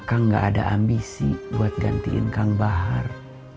kang gak ada ambisi buat gantiin kang bahar